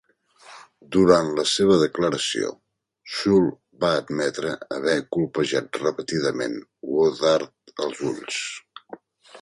Durant la seva declaració, Shull va admetre haver colpejat repetidament Woodard als ulls.